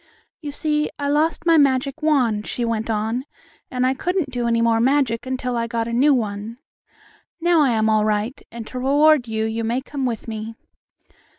"You see, I lost my magic wand," she went on, "and I couldn't do any more magic until I got a new one. Now I am all right, and to reward you you may come with me."